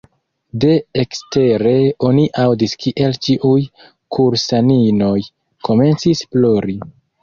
De ekstere oni aŭdis kiel ĉiuj kursaninoj komencis plori.